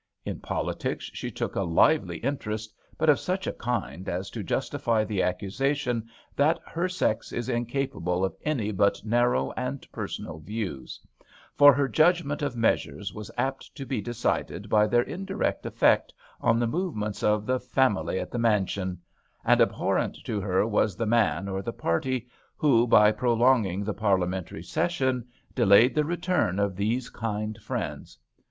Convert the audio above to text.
In politics she took a lively interest, but of such a kind as to justify the accusa tion that her sex is incapable of any but narrow and personal views ; for her judg ment of measures was apt to be decided by their indirect effect on the movements of the " family at the mansion "; and abhorrent to her was the man or the party who, by prolonging the Parliamentary session, delayed the return of these kind friends.